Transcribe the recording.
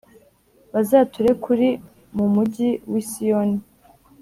Bazature kuri mu mujyi wi Siyoni.